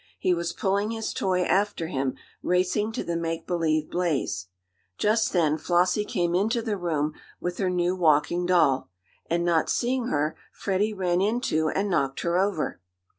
He was pulling his toy after him, racing to the make believe blaze. Just then Flossie came into the room with her new walking doll, and, not seeing her, Freddie ran into and knocked her over.